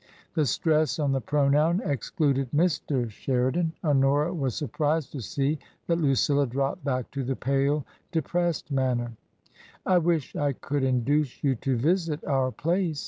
The stress on the pronoun excluded Mr. Sheridan. TRANSITION. 107 Honora was surprised to see that Lucilla dropped back to the pale, depressed manner. "I wish I could induce you to visit our place!"